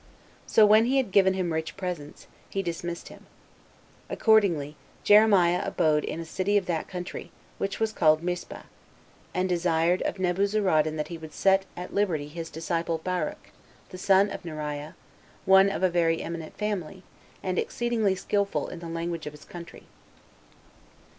So when he had given him rich presents, he dismissed him. Accordingly, Jeremiah abode in a city of that country, which was called Mispah; and desired of Nebuzaradan that he would set at liberty his disciple Baruch, the son of Neriah, one of a very eminent family, and exceeding skillful in the language of his country.